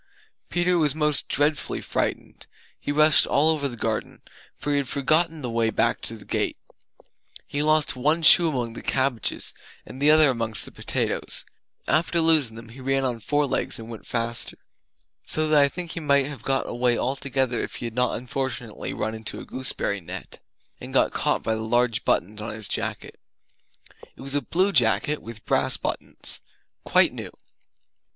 Peter was most dreadfully frightened; he rushed all over the garden, for he had forgotten the way back to the gate. He lost one shoe among the cabbages, and the other amongst the potatoes. After losing them, he ran on four legs and went faster So that I think he might have got away altogether if he had not unfortunately run into a gooseberry net And got caught by the large buttons on his jacket. It was a blue jacket with brass buttons, quite new.